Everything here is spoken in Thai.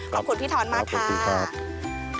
ขอบคุณพี่ทอนมากค่ะขอบคุณครับ